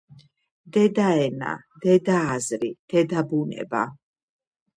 დედაენა, დედააზრი, დედაბუნება...